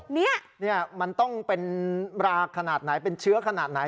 เนี่ยมันต้องเป็นราขนาดไหนเป็นเชื้อขนาดไหน